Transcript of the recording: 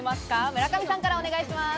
村上さんからお願いします。